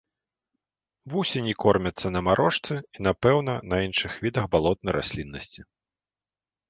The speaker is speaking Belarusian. Вусені кормяцца на марошцы і, напэўна, на іншых відах балотнай расліннасці.